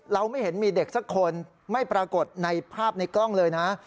ไม่เห็นมีเด็กสักคนไม่ปรากฏในภาพในกล้องเลยนะ